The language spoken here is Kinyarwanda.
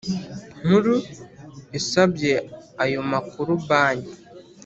Nkuru isabye ayo makuru Banki